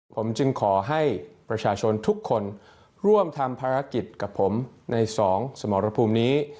ผมจึงขอให้ประชาชนทุกคนร่วมทำภารกิจกับผมในสองสมรภูมินี้